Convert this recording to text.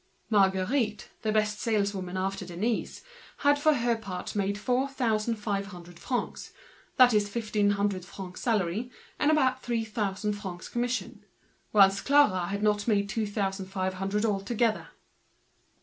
Marguerite, the best saleswoman after Denise, had made four thousand five hundred francs, fifteen hundred francs salary, and about three thousand francs commission; whilst Clara had not made two thousand five hundred francs altogether.